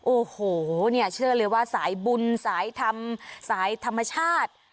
โอ้โหเนี่ยเชื่อเลยว่าสายบุญสายธรรมสายธรรมชาติ